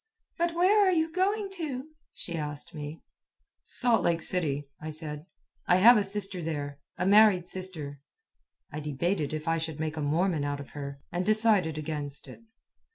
"But where are you going to?" she asked me. "Salt Lake City," said I. "I have a sister there a married sister." (I debated if I should make a Mormon out of her, and decided against it.)